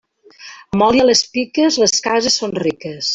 Amb oli a les piques, les cases són riques.